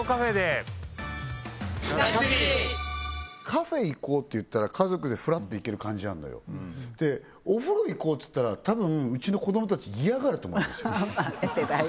カフェ行こうって言ったら家族でふらっと行ける感じあんのよでお風呂行こうって言ったら多分うちの子どもたち嫌がると思いますよ